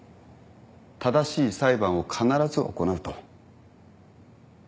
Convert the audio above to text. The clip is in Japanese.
正しい裁判を必ず行うと。